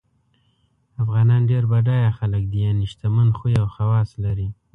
افغانان ډېر بډایه خلګ دي یعنی شتمن خوی او خواص لري